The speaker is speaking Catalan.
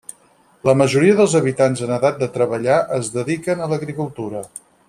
La majoria dels habitants en edat de treballar es dediquen a l'agricultura.